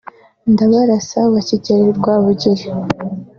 Ndabarasa wa Kigeli Rwabugili